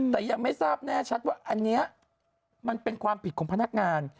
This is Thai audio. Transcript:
แต่ยังไม่ทราบแน่ชัดว่าอันนี้มันเป็นความผิดของพนักงาน